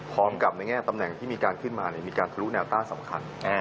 พร้อมกับในแง่ตำแหน่งที่มีการขึ้นมามีการทะลุแนวต้าสำคัญ